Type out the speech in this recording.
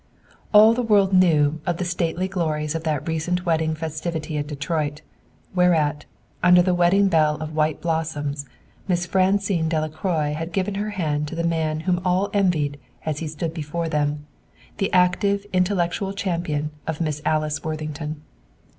All the world knew of the stately glories of that recent wedding festivity at Detroit, whereat, under the wedding bell of white blossoms, Miss Francine Delacroix had given her hand to the man whom all envied as he stood before them, the active intellectual champion of Miss Alice Worthington.